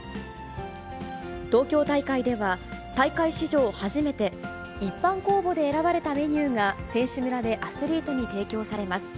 東京大会では、大会史上初めて、一般公募で選ばれたメニューが、選手村でアスリートに提供されます。